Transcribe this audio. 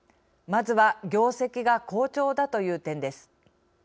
まずは業績が好調だという点です。